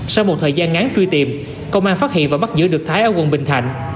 sau một thời gian ngắn truy tìm công an phát hiện và bắt giữ được thái ở quận bình thạnh